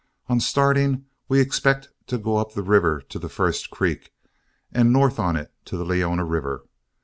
On starting, we expect to go up the river to the first creek, and north on it to the Leona River.